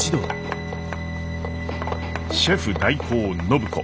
シェフ代行暢子。